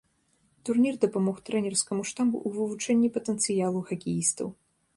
Турнір дапамог трэнерскаму штабу ў вывучэнні патэнцыялу хакеістаў.